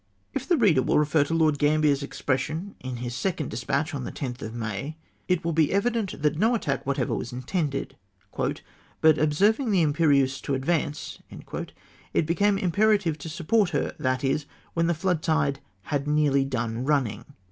If the reader will refer to Lord Gambier's expres sion, m his second despatch of the 10th of May (see page 407), it will be evident that no attack whatever was intended ;" but observing the Imperieuse to ad vance," it became imperative to support her, i. e. when the flood tide '■'■had nearly done running.''''